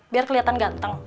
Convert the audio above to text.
biar keliatan ganteng